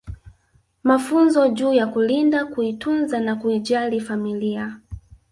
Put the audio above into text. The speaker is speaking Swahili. Mafunzo juu ya kulinda kuitunza na kuijali familia